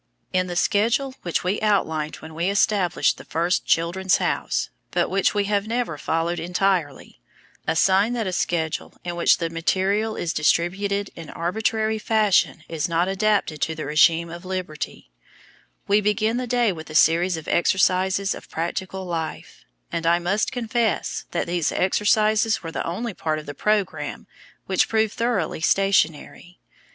In the schedule which we outlined when we established the first "Children's House," but which we have never followed entirely, (a sign that a schedule in which the material is distributed in arbitrary fashion is not adapted to the régime of liberty) we begin the day with a series of exercises of practical life, and I must confess that these exercises were the only part of the programme which proved thoroughly stationary.